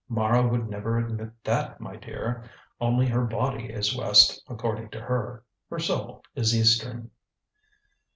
"Mara would never admit that, my dear. Only her body is West according to her; her soul is Eastern."